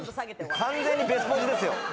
完全にベスポジですよ。